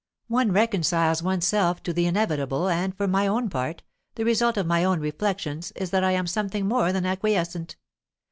"One reconciles one's self to the inevitable, and, for my own part, the result of my own reflections is that I am something more than acquiescent.